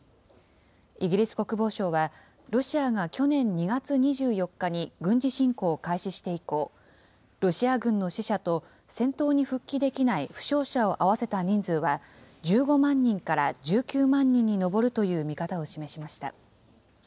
イギリス国防省は、ロシアが去年２月２４日に軍事侵攻を開始して以降、ロシア軍の死者と、戦闘に復帰できない負傷者を合わせた人数は、１５万人から１９万人に上るという見方を示しました。